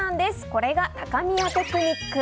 これが高宮テクニック。